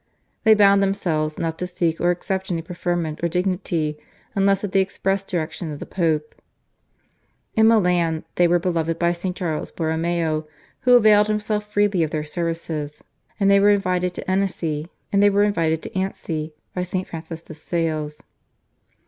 They bound themselves not to seek or accept any preferment or dignity unless at the express direction of the Pope. In Milan they were beloved by St. Charles Borromeo who availed himself freely of their services, and they were invited to Annecy by St. Francis de Sales.